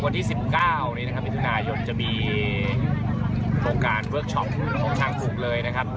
วันที่๑๙มิถุนายนจะมีโปรงการเวิร์กชอปของทางปรุกเลยนะครับ